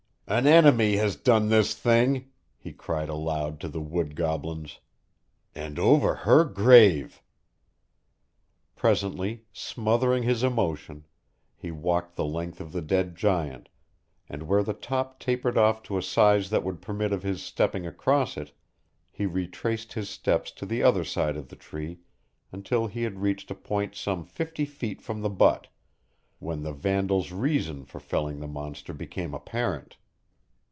"An enemy has done this thing," he cried aloud to the wood goblins. "And over her grave!" Presently, smothering his emotion, he walked the length of the dead giant, and where the top tapered off to a size that would permit of his stepping across it, he retraced his steps on the other side of the tree until he had reached a point some fifty feet from the butt when the vandal's reason for felling the monster became apparent.